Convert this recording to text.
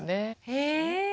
へえ。